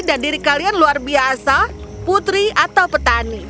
dan diri kalian luar biasa putri atau petani